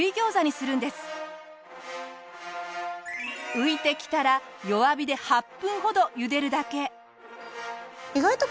浮いてきたら弱火で８分ほど茹でるだけ。